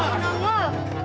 makasih pak nangol